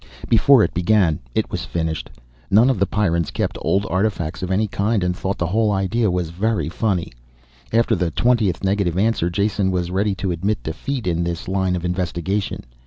Before it began it was finished. None of the Pyrrans kept old artifacts of any kind and thought the whole idea was very funny. After the twentieth negative answer Jason was ready to admit defeat in this line of investigation.